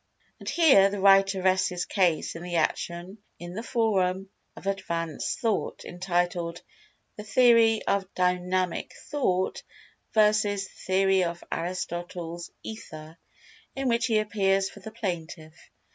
And here, the writer rests his case in the action in the Forum of Advanced Thought, entitled "The Theory of Dynamic Thought vs. The Theory of Aristotle's Ether," in which he appears for the Plaintiff.